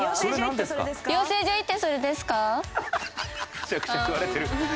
めちゃくちゃ言われてる。